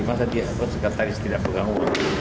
masa sekretaris tidak pegang uang